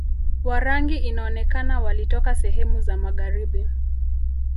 Warangi inaonekana walitoka sehemu za magharibi